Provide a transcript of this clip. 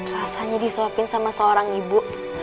rasanya disuapin sama seorang ibu